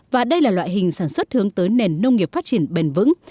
và đây là loại hình sản xuất hướng tới nền nông nghiệp phát triển bền vững